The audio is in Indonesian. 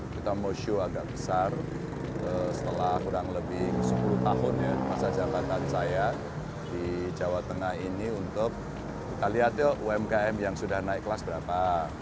kita mau show agak besar setelah kurang lebih sepuluh tahun ya masa jabatan saya di jawa tengah ini untuk kita lihat yuk umkm yang sudah naik kelas berapa